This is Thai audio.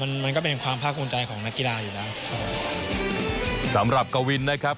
มันมันก็เป็นความภาคภูมิใจของนักกีฬาอยู่แล้วสำหรับกวินนะครับ